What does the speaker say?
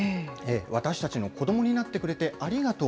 私たちの子どもになってくれて、ありがとう。